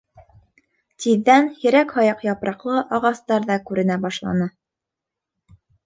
Тиҙҙән һирәк-һаяҡ япраҡлы ағастар ҙа күренә башланы.